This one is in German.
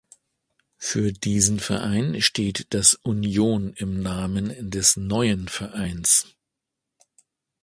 Für diesen Verein steht das „Union“ im Namen des neuen Vereins.